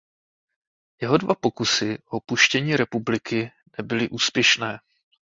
Jeho dva pokusy o opuštění republiky nebyly úspěšné.